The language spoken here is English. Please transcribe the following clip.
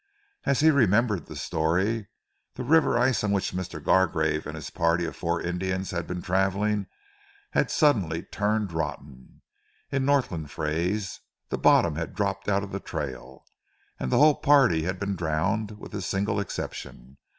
As he remembered the story the river ice on which Mr. Gargrave and his party of four Indians had been travelling had suddenly turned rotten, in Northland phrase, "the bottom had dropped out of the trail," and the whole party had been drowned, with a single exception.